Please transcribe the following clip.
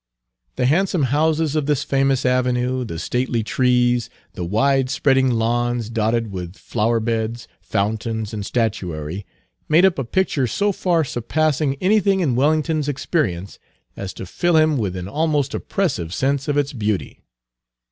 The handsome houses of this famous avenue, the stately trees, the widespreading lawns, dotted with flower beds, fountains and statuary, made up a picture so far surpassing anything in Wellington's experience as to fill him with an almost oppressive sense of its beauty.